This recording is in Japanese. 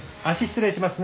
失礼します。